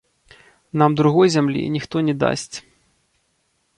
Нам другой зямлі ніхто не дасць.